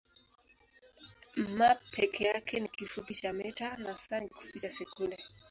m peke yake ni kifupi cha mita na s ni kifupi cha sekunde.